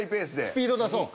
スピード出そう。